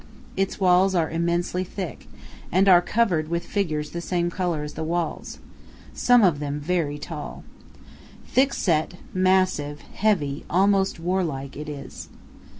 Its walls are immensely thick, and are covered with figures the same color as the walls, some of them very tall. Thick set, massive, heavy, almost warlike it is.